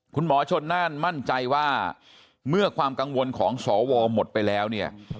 คุณหมอชนน่านมั่นใจว่าเมื่อความกังวลของสวหมดไปแล้วเนี่ย